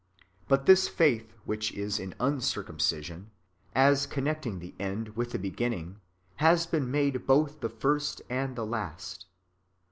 But this faith which is in uncircumcision, as connecting the end with the beginning, has been made [both] the first and the last.